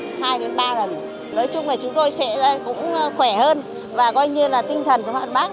nói chung là chúng tôi sẽ cũng khỏe hơn và coi như là tinh thần của các bác